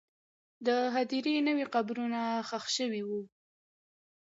د هدیرې نوې قبرونه ښخ شوي وو.